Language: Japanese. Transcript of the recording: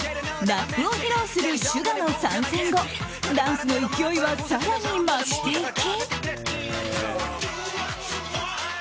ラップを披露するＳＵＧＡの参戦後ダンスの勢いは更に増していき。